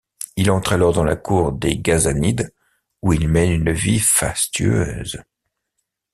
Il entre alors dans la cour des Ghassanides où il mène une vie fastueuse.